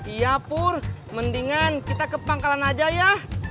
iya pur mendingan kita ke pangkalan aja ya